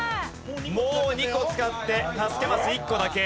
もう２個使って助けマス１個だけ。